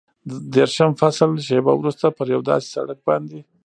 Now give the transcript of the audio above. دېرشم فصل، شېبه وروسته پر یو داسې سړک باندې.